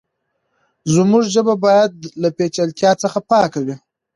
زموږ ژبه بايد له پېچلتيا څخه پاکه وي.